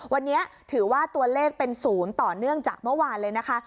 วันนี้ถือว่าตัวเลขเป็นศูนย์ต่อเนื่องจากเมื่อวานเลยนะคะ